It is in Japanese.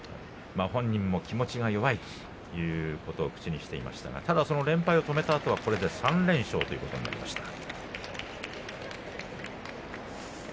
本人も、気持ちが弱いということを口にしていましたがただその連敗を止めたあとはこれで３連勝ということになりました。